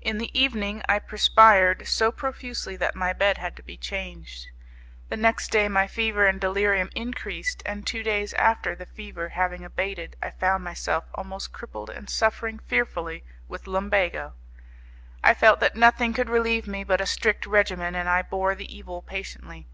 In the evening I perspired so profusely that my bed had to be changed. The next day my fever and delirium increased, and two days after, the fever having abated, I found myself almost crippled and suffering fearfully with lumbago. I felt that nothing could relieve me but a strict regimen, and I bore the evil patiently.